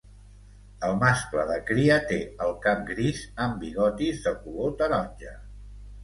El mascle de cria té el cap gris amb bigotis de color taronja.